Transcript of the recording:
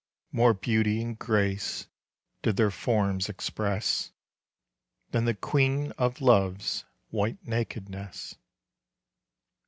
More beauty and grace did their forms express Than the QUEEN OF LOVE'S white nakedness.